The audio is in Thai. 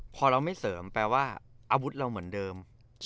พอเราไม่เสริมแปลว่าอาวุธเราเหมือนเดิม